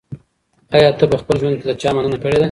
ایا ته په خپل ژوند کي له چا مننه کړې ده؟